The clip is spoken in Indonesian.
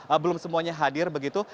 karena belum semuanya hadir begitu